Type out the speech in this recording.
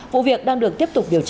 vụ việc đang được tiếp tục điều tra